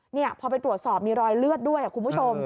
นี่พอไปตรวจสอบมีรอยเลือดด้วยคุณผู้ชม